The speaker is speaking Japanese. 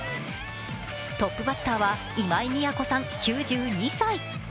トップバッターは今井みや子さん９２歳。